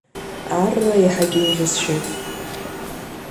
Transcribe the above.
Арра иаҳагьы еиӷьасшьоит.